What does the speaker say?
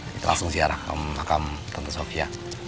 kita langsung ziarah makam tante sofia